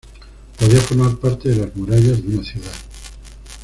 Podía formar parte de las murallas de una ciudad.